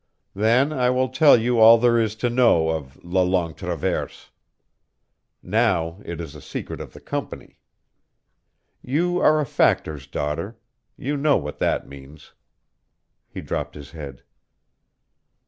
Then I will tell you all there is to know of la Longue Traverse. Now it is a secret of the Company. You are a Factor's daughter; you know what that means." He dropped his head.